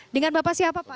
dengan bapak siapa pak